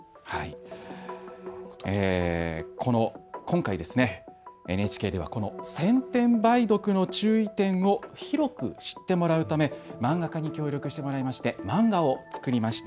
今回ＮＨＫでは、この先天梅毒の注意点を広く知ってもらうため漫画家に協力してもらいまして漫画を作りました。